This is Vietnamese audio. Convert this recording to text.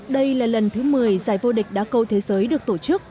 đây là lần thứ một mươi giải vô địch đá cầu thế giới được tổ chức